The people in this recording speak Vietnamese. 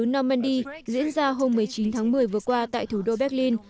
nomandy diễn ra hôm một mươi chín tháng một mươi vừa qua tại thủ đô berlin